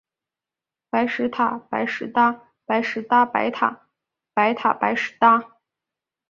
白石塔，白石搭。白石搭白塔，白塔白石搭